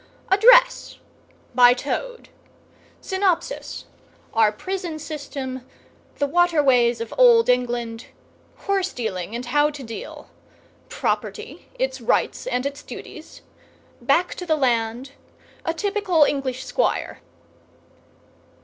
ADDRESS. .. BY TOAD SYNOPSIS—Our Prison System—the Waterways of Old England—Horse dealing, and how to deal—Property, its rights and its duties—Back to the Land—A Typical English Squire.